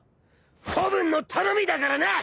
子分の頼みだからな！